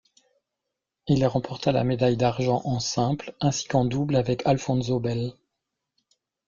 Il remporta la médaille d'argent en simple, ainsi qu'en double avec Alphonzo Bell.